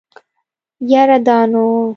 يره دا نو.